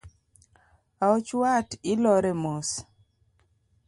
Aoch wat ilore mos